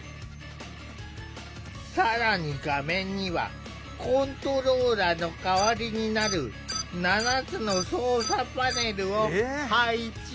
更に画面にはコントローラーの代わりになる７つの操作パネルを配置。